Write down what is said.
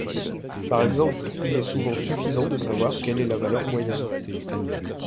Par exemple, il est souvent suffisant de savoir quelle est la valeur moyenne.